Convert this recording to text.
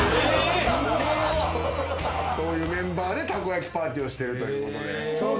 そういうメンバーでたこ焼きパーティーをしてると。